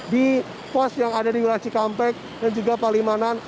di pos yang ada di wilayah cikampek dan juga palimanan